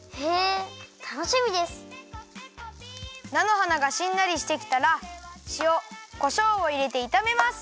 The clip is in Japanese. なのはながしんなりしてきたらしおこしょうをいれていためます。